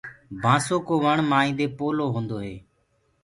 بآسو ڪو وڻ مآئينٚ دي پولو هوندو هي۔